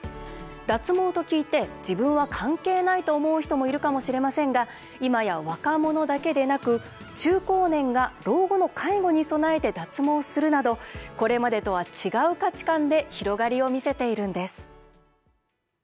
脱毛と聞いて、自分は関係ないと思う人もいるかもしれませんがいまや若者だけでなく、中高年が老後の介護に備えて脱毛するなどこれまでとは違う価値観で広がりを見せているんです。